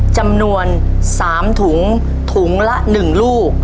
จำนวน๓ถุงถุงละ๑ลูก